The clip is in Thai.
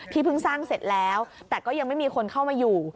เพิ่งสร้างเสร็จแล้วแต่ก็ยังไม่มีคนเข้ามาอยู่